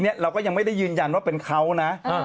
เราก็ยังไม่ได้ยืนยันว่าเป็นเขานะ